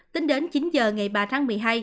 tính đến chín h ngày ba tháng một mươi hai